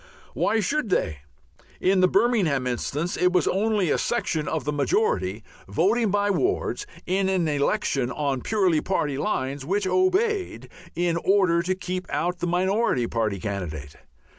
Why should they? In the Birmingham instance it was only a section of the majority, voting by wards, in an election on purely party lines, which "obeyed" in order to keep out the minority party candidate.